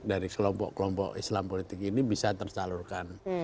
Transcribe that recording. dari kelompok kelompok islam politik ini bisa tersalurkan